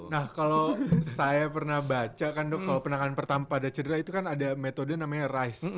nah kalau saya pernah baca kan dok kalau penanganan pertama pada cedera itu kan ada metode namanya rice